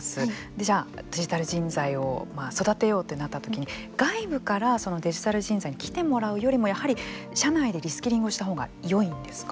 じゃあ、デジタル人材を育てようとなった時に外部からデジタル人材に来てもらうよりもやはり社内でリスキリングをした方がよいんですか。